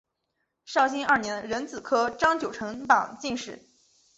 绍兴二年壬子科张九成榜进士。